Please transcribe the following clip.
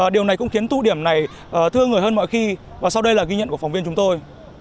điều này cũng khiến tụ điểm này thương người hơn mọi khi và sau đây là ghi nhận của phóng viên chúng tôi